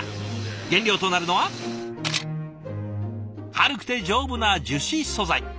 原料となるのは軽くて丈夫な樹脂素材。